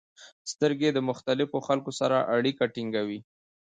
• سترګې د مختلفو خلکو سره اړیکه ټینګوي.